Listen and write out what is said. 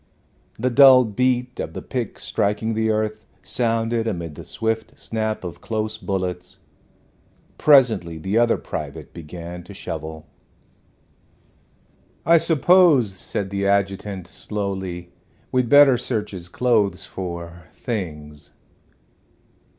The dull beat of the pick striking the earth sounded amid the swift snap of close bullets. Presently the other private began to shovel. "I suppose," said the adjutant, slowly, "we'd better search his clothes for things."